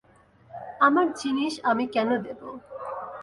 আমার জিনিস আমি কেন দিব।